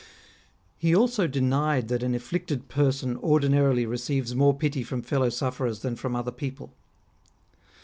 He also denied that an afflicted person ordinarily receives more pity from fellow sufferers than from other people.